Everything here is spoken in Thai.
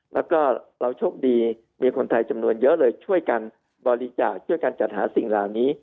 แล้วก็เราโชคดีมีคนไทยจำนวนเยอะเลยช่วยกันบริจาคช่วยกันจัดหาสิ่งเหล่านี้